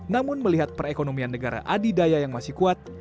namun melihat perekonomian negara adidaya yang masih kuat